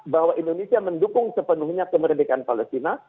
bahwa indonesia mendukung sepenuhnya kemerdekaan palestina